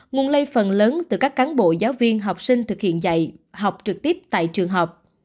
nguồn lây phần lớn từ các cán bộ giáo viên học sinh thực hiện dạy học trực tiếp tại trường học